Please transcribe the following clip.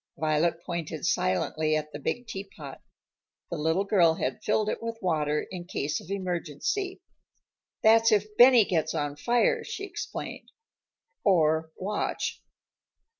Violet pointed silently at the big teapot. The little girl had filled it with water in case of emergency. "That's if Benny gets on fire," she explained "or Watch."